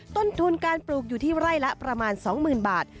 ต้นทุนการปลูกอยู่ที่ไร่ละประมาณ๒๐๐๐บาท